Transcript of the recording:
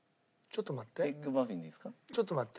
ちょっと待って。